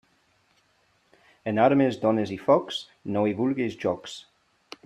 Amb armes, dones i focs, no hi vulguis jocs.